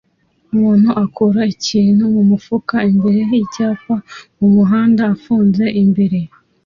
Umuntu akura ikintu mumufuka imbere yicyapa "umuhanda ufunze imbere"